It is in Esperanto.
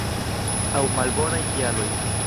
Aŭ malbonaj kialoj.